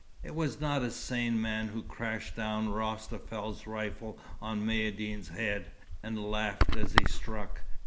It was not a sane man who crashed down Rostafel's rifle on Maïeddine's head, and laughed as he struck.